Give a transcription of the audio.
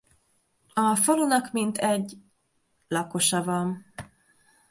A falunak mintegy lakosa van.